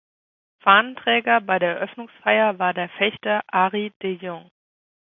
Fahnenträger bei der Eröffnungsfeier war der Fechter Arie de Jong.